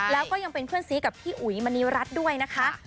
แล้วก็ยังเป็นเพื่อนซีกับพี่อุ๋ยมณีรัฐด้วยนะคะ